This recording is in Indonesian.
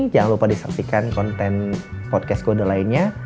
jangan lupa disaksikan konten podcast kode lainnya